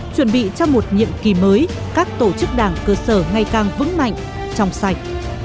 chuẩn bị cho một nhiệm kỳ mới các tổ chức đảng cơ sở ngày càng vững mạnh trong sạch